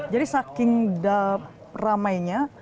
jadi saking ramainya